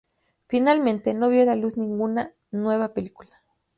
Finalmente, no vio la luz ninguna nueva película.